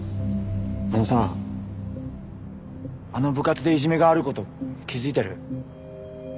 あのさあの部活でいじめがある事気づいてる？